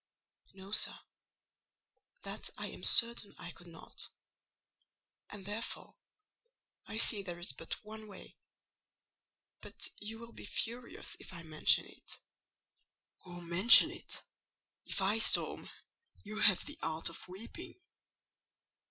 "No, sir; that I am certain I could not; and therefore I see there is but one way: but you will be furious if I mention it." "Oh, mention it! If I storm, you have the art of weeping."